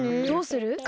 どうする？